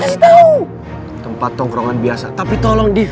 kasih tau tempat tongkrongan biasa tapi tolong di